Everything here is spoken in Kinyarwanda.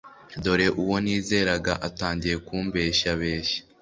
dore uwo nizeraga atangiye kumbeshyabeshya